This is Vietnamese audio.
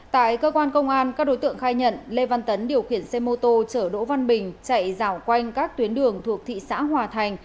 tại cơ quan công an các đối tượng khai nhận lê văn tấn điều khiển xe mô tô chở đỗ văn bình chạy rào quanh các tuyến đường thuộc thị xã hòa thành